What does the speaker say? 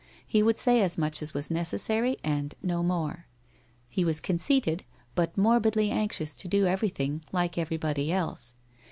He would say as much as was necessary, and no more. He was conceited, but morbidly anxious to do everything like everybody else.